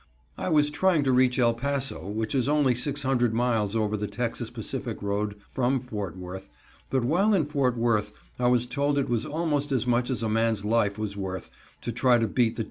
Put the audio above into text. I was trying to reach El Paso, which is only 600 miles over the Texas Pacific Road from Fort Worth, but while in Fort Worth I was told it was almost as much as a man's life was worth to try to beat the T.